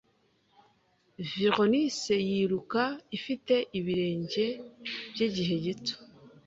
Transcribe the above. Veronese yiruka ifite ibirenge byigihe gito